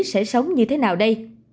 sẽ sống như thế nào đây